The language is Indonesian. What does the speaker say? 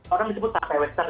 orang disebut tape western